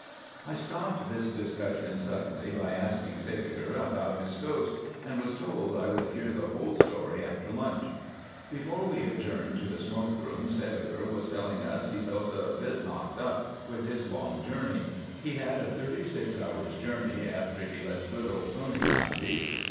I stopped this discussion suddenly by asking Sædeger about his ghost, and was told I would hear the whole story after lunch. Before we adjourned to the smoke room Sædeger was telling us he felt a bit knocked up with his long journey. He had a thirty six hours' journey after he left good old Tony Pandy.